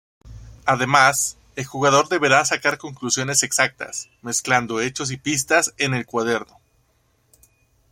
Además el jugador deberá sacar conclusiones exactas, mezclando hechos y pistas en el cuaderno.